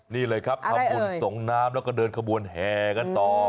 นี่เลยครับทำบุญส่งน้ำแล้วก็เดินขบวนแห่กันต่อ